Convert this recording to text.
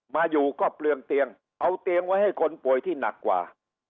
มาอยู่ก็เปลืองเตียงเอาเตียงไว้ให้คนป่วยที่หนักกว่า